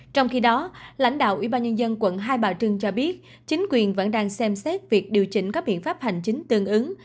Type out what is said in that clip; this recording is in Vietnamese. trong khi đó lãnh đạo ubnd quận hai bà trưng cho biết chính quyền vẫn đang xem xét việc điều chỉnh các biện pháp hành chính tương ứng